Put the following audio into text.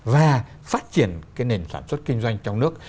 và phát triển cái nền sản xuất kinh doanh trong nước